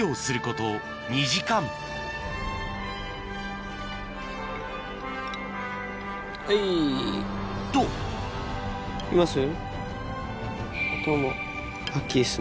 といます？